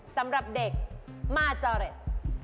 สำหรับเด็กมาจริต